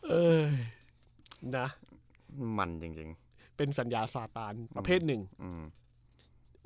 เออนะมันจริงจริงเป็นสัญญาสาตานประเภทหนึ่งอืม